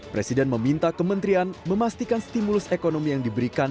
presiden meminta kementerian memastikan stimulus ekonomi yang diberikan